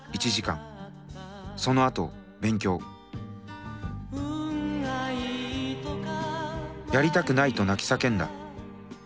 そのあと勉強やりたくないと泣き叫んだ。